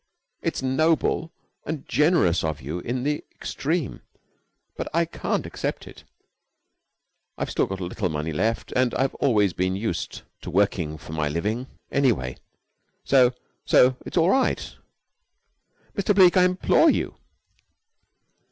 It's noble and generous of you in the extreme, but I can't accept it. I've still got a little money left, and I've always been used to working for my living, anyway, so so it's all right." "Mr. Bleke, I implore you."